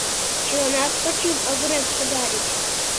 Чыланат Вачим авырен шогальыч.